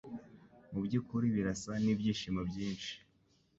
Mubyukuri birasa nibyishimo byinshi.